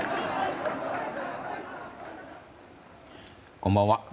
こんばんは。